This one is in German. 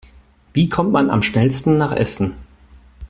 Wie kommt man am schnellsten nach Essen?